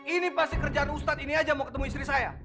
ini pasti kerjaan ustadz ini aja mau ketemu istri saya